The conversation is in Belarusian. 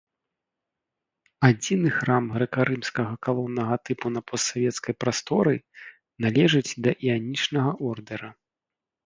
Адзіны храм грэка-рымскага калоннага тыпу на постсавецкай прасторы, належыць да іанічнага ордэра.